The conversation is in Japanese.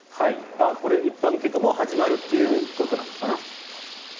これ、一般献花もう始まるということなのかな。